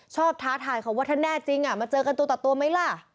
ท้าทายเขาว่าถ้าแน่จริงมาเจอกันตัวต่อตัวไหมล่ะ